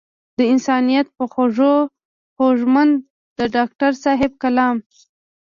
د انسانيت پۀ خوږو خوږمند د ډاکټر صېب کلام